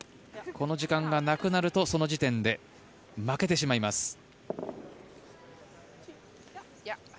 この時間がなくなるとその時点で負けてしまいます。